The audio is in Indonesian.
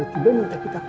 aku jangan denger apa apa